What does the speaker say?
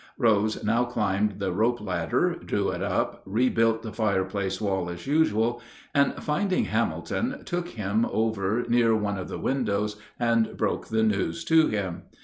Rose now climbed the rope ladder, drew it up, rebuilt the fireplace wall as usual, and, finding Hamilton, took him over near one of the windows and broke the news to him.